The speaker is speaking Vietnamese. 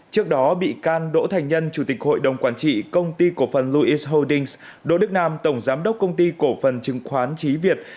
trước đó bị can đỗ thành nhân chủ tịch hội đồng quản trị công ty cổ phần louice holdings đỗ đức nam tổng giám đốc công ty cổ phần chứng khoán trí việt